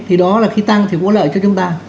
thì đó là khi tăng thì có lợi cho chúng ta